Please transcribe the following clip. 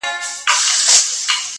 او په گوتو کي يې سپين سگريټ نيولی.